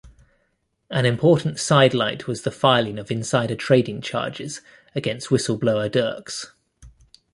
An important sidelight was the filing of insider trading charges against whistleblower Dirks.